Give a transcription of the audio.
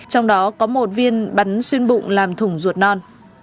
trong đó có một viên bắn xuyên bụng làm thủng ruột non